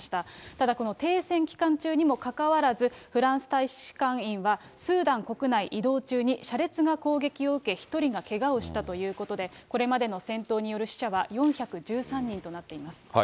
ただ、この停戦期間中にもかかわらず、フランス大使館員はスーダン国内移動中に車列が攻撃を受け、１人がけがをしたということで、これまでの戦闘による死者は４１３人となっています。